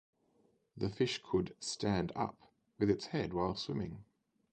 The fish could "stand up" with its head while swimming.